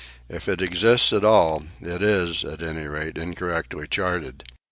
If it exists at all, it is, at any rate, incorrectly charted.